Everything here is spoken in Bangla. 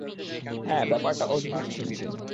হ্যাঁ, ব্যাপারটা অদ্ভূত ঠেকছে।